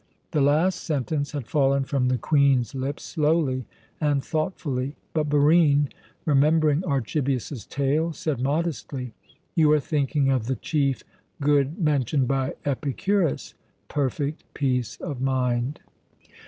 The last sentence had fallen from the Queen's lips slowly and thoughtfully, but Barine, remembering Archibius's tale, said modestly, "You are thinking of the chief good mentioned by Epicurus perfect peace of mind."